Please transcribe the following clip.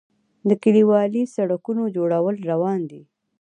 د کلیوالي سړکونو جوړول روان دي